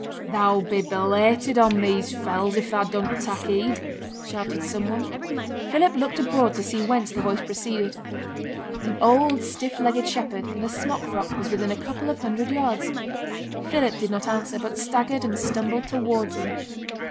'Thou'll be belated on these fells, if thou doesn't tak' heed,' shouted some one. Philip looked abroad to see whence the voice proceeded. An old stiff legged shepherd, in a smock frock, was within a couple of hundred yards. Philip did not answer, but staggered and stumbled towards him.